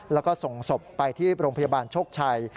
แล้วก็ส่งศพไปที่โรงพยาบาลโชคชัย